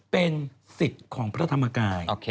เป็นสิทธิ์ของพระธรรมกาย